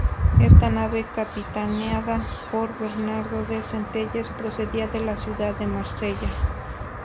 Esta nave capitaneada por Bernardo de Centelles, procedía de la ciudad de Marsella.